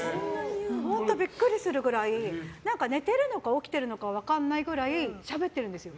本当、びっくりするぐらい寝てるのか起きてるのか分からないくらいしゃべってるんですよ。